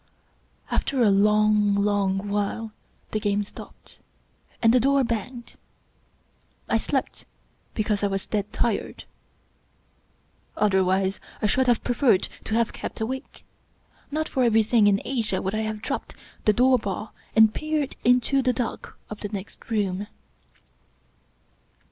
After a long, long while the game stopped, and the door banged. I slept because I was dead tired. Otherwise I should have preferred to have kept awake. Not for every thing in Asia would I have dropped the door bar and peered into the dark of the next room.